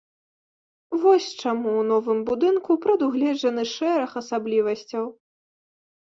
Вось чаму ў новым будынку прадугледжаны шэраг асаблівасцяў.